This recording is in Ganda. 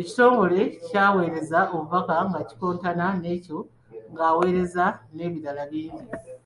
Ekitongole ky'aweereza obubaka nga kikontana n’ekyoyo gw’aweereza n’ebirala bingi nnyo.